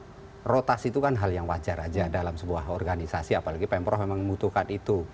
nah rotas itu kan hal yang wajar saja dalam sebuah organisasi apalagi pemprov memang membutuhkan itu